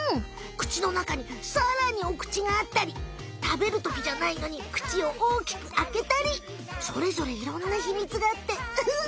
口の中にさらにお口があったり食べるときじゃないのに口を大きくあけたりそれぞれいろんなひみつがあってうん！